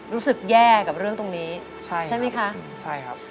รู้สึกแย่กับเรื่องตรงนี้ใช่ไหมคะ